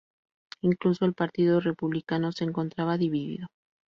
Incluso el "partido republicano" se encontraba dividido.